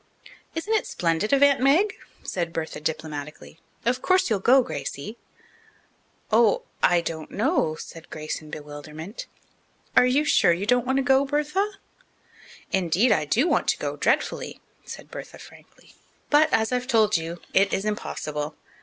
"Isn't it splendid of Aunt Meg?" said Bertha diplomatically. "Of course you'll go, Gracie." "Oh, I don't know," said Grace in bewilderment. "Are you sure you don't want to go, Bertha?" "Indeed, I do want to go, dreadfully," said Bertha frankly. "But as I've told you, it is impossible.